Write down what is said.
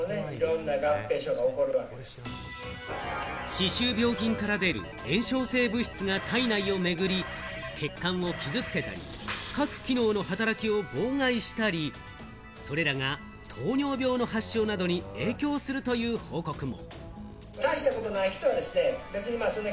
歯周病菌から出る炎症性物質が体内をめぐり、血管を傷つけたり、各機能の働きを妨害したり、それらが糖尿病の発症などに影響するという報告も。